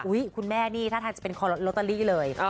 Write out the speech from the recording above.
คุณแม่นี่ท่าทางจะเป็นลอตเตอรี่เลย